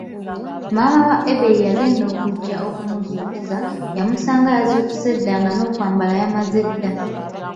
Maama wa Ebei yagenda okujja okumuzuukusa, ya musanga yazuukuse dda nga n'okwambala yamaze dda!